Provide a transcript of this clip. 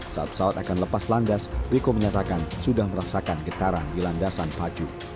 saat pesawat akan lepas landas riko menyatakan sudah merasakan getaran di landasan pacu